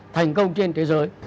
thành công trên thế giới